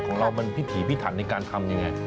ของเรามันพิถีพิถันในการทำยังไง